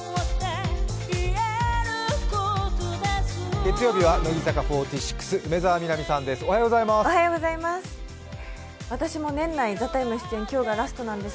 月曜日は乃木坂４６・梅澤美波さんです。